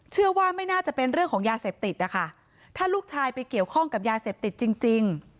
เชื่อว่าไม่น่าจะเป็นเรื่องของยาเสพติดนะคะถ้าลูกชายไปเกี่ยวข้องกับยาเสพติดจริงจริง